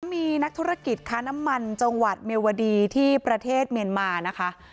มีนักธุรกิจค้าน้ำมันจังหวัดเมวดีที่ประเทศเมียนมานะคะ